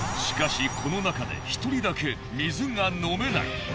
しかしこの中で１人だけ水が飲めない。